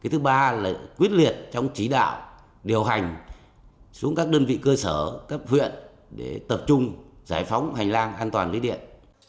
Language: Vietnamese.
thứ ba là quyết liệt trong chỉ đạo điều hành xuống các đơn vị cơ sở cấp huyện để tập trung giải phóng hành lang an toàn lưới điện